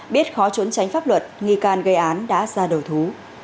biết khó trốn tránh pháp luật nghi can gây án đã ra đầu thú